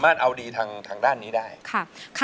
อายุ๒๔ปีวันนี้บุ๋มนะคะ